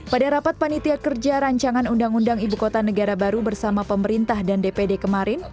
pada rapat panitia kerja rancangan undang undang ibu kota negara baru bersama pemerintah dan dpd kemarin